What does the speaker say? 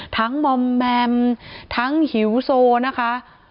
ทั้งมมทั้งหิวโซนะคะ